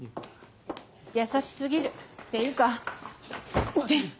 優し過ぎるっていうか。